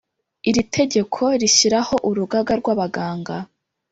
Iri tegeko rishyiraho urugaga rw abaganga